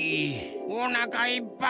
おなかいっぱい。